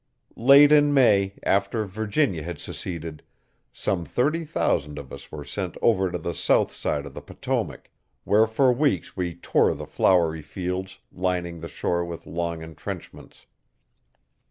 Late in May, after Virginia had seceded, some thirty thousand of us were sent over to the south side of the Potomac, where for weeks we tore the flowery fields, lining the shore with long entrenchments.